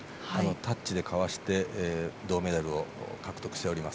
タッチでかわして銅メダルを獲得しております。